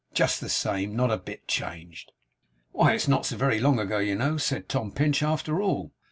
Just the same! Not a bit changed!' 'Why, it's not so very long ago, you know,' said Tom Pinch, 'after all.